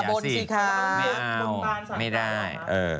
ไม่เอาไม่ได้